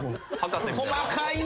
細かいな。